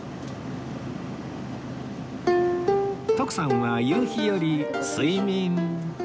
徳さんは夕日より睡眠